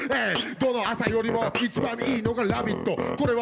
どの朝よりも一番いいのが「ラヴィット！」